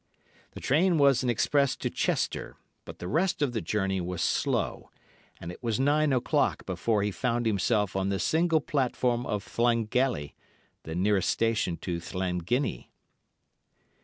"The train was an express to Chester, but the rest of the journey was slow, and it was nine o'clock before he found himself on the single platform of Llangelly, the nearest station to Llanginney.